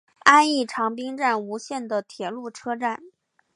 安艺长滨站吴线的铁路车站。